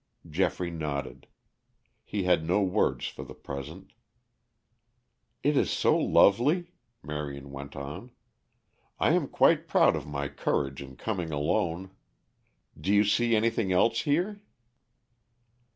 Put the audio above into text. Geoffrey nodded; he had no words for the present. "It is so lovely," Marion went on. "I am quite proud of my courage in coming alone. Do you see anything else here?"